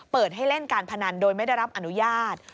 เปิดให้เล่นการพนันโดยไม่ได้รับอนุญาต